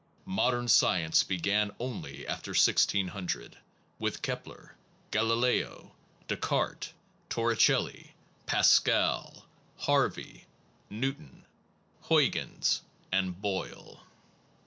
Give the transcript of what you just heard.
Mod ern science began only after 1600, with Kep ler, Galileo, Descartes, Torricelli, Pascal, Har vey, Newton, Huygens, and Boyle.